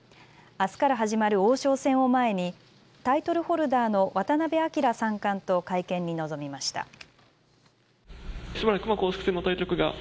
あすから始まる王将戦を前にタイトルホルダーの渡辺明三冠と会見に臨みました。